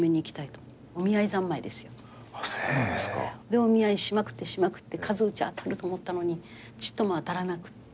お見合いしまくってしまくって数打ちゃ当たると思ったのにちっとも当たらなくって。